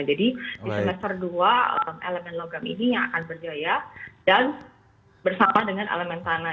jadi di semester dua elemen logam ini yang akan berjaya dan bersama dengan elemen tanah